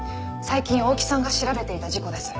最近大木さんが調べていた事故です。